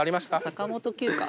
坂本九か。